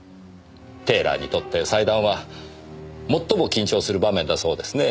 テーラーにとって裁断は最も緊張する場面だそうですね。